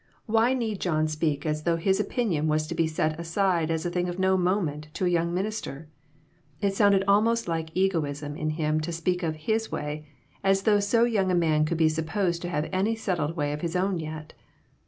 Why need John speak as though his opinion A SMOKY ATMOSPHERE. 7/ was to be set aside as a thing of no moment to a young minister ? It sounded almost like egotism in him to speak of "his way," as though so young a man could be supposed to have any settled way of his own yet.